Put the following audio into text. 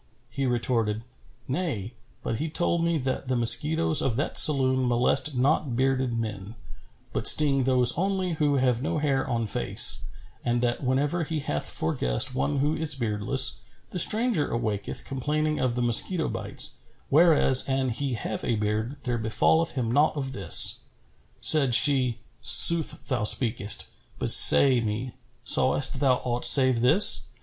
He retorted, "Nay; but he told me that the mosquitoes of that saloon molest not bearded men, but sting those only who have no hair on face, and that whenever he hath for guest one who is beardless, the stranger awaketh complaining of the mosquito bites; whereas an he have a beard, there befalleth him naught of this." Said she, "Sooth thou speakest: but say me, sawest thou aught save this?"